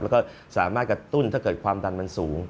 แล้วก็สามารถกระตุ้นถ้าเกิดความดันมันสูง